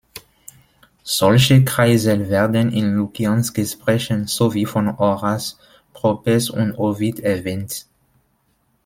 Solche Kreisel werden in Lukians Gesprächen sowie von Horaz, Properz und Ovid erwähnt.